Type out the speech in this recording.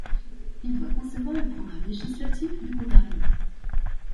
Il doit concevoir le programme législatif du Gouvernement.